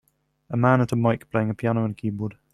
A man at a mic playing a piano and keyboard.